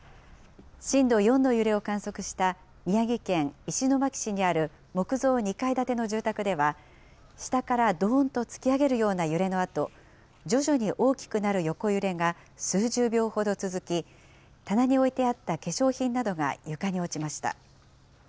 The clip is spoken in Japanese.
震度４の揺れを観測した宮城県石巻市にある木造２階建ての住宅では、下からどーんと突き上げるような揺れのあと、徐々に大きくなる横揺れが数十秒ほど続き、棚に置いてあった化粧品などが床に落ちました。